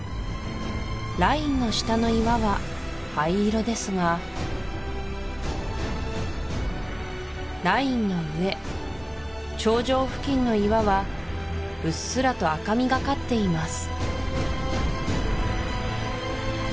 ラインの下の岩は灰色ですがラインの上頂上付近の岩はうっすらと赤みがかっています